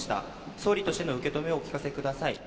総理としての受け止めをお聞かせください。